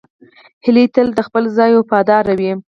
هیلۍ تل د خپل ځای وفاداره وي